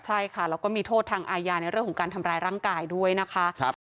ใช่ค่ะแล้วก็มีโทษทางอาญาในเรื่องของการทำร้ายร่างกายด้วยนะคะ